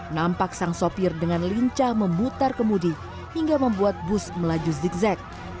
nampak sang sopir dengan lincah memutar kemudi hingga membuat bus melaju zigzag